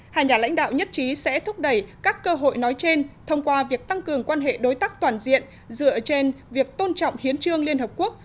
hai nhà lãnh đạo nhất trí sẽ thúc đẩy các cơ hội nói trên thông qua việc tăng cường quan hệ đối tác toàn diện dựa trên việc tôn trọng hiến trương liên hợp quốc